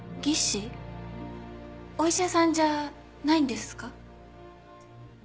お医者さんじゃないんですか？